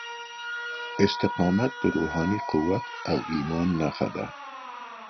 استقامت د روحاني قوت او ايمان نښه ده.